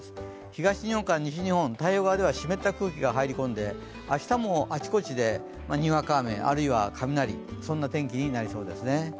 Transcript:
東日本から西日本、湿った空気が入り込んで、明日もあちこちでにわか雨、あるいは雷、そんな天気になりそうですね。